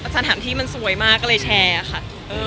สถานที่มันสวยมากก็เลยแชร์ค่ะ